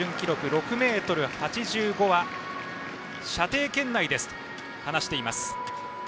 ６ｍ８５は射程圏内ですと話しています。